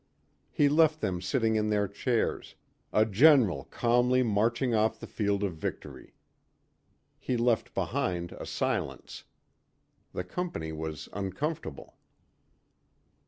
He left them sitting in their chairs a general calmly marching off the field of victory. He left behind a silence. The company was uncomfortable.